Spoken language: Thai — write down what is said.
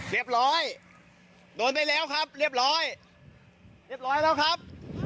เรียบร้อยโดนได้แล้วครับเรียบร้อยเรียบร้อยแล้วครับ